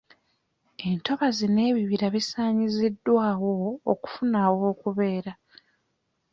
Entobazi n'ebibira bisaanyiziddwawo okufuna aw'okubeera.